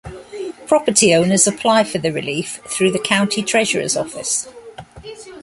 Property owners apply for the relief through the county Treasurer's office.